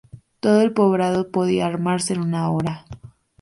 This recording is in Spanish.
Todo el poblado podía armarse en una hora.